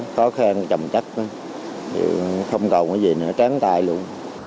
khó khen chầm chắc không còn cái gì nữa trán tay luôn